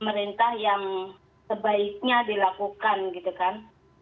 pemerintah yang sebaiknya dilakukan gitu kan